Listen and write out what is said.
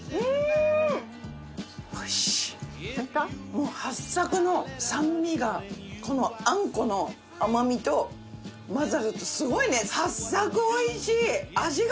もうはっさくの酸味がこのあんこの甘みと混ざるとすごいね。